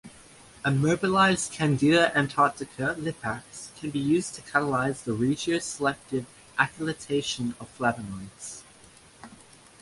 Immobilized "Candida antarctica" lipase can be used to catalyze the regioselective acylation of flavonoids.